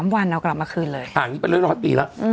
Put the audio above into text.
๓วันแล้วกลับมาคลื่นเลยอ่างนี้้อยปีแล้ว